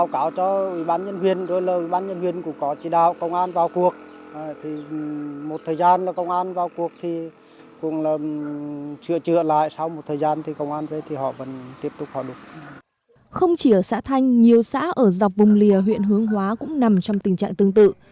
không chỉ ở xã thanh nhiều xã ở dọc vùng lìa huyện hướng hóa cũng nằm trong tình trạng tương tự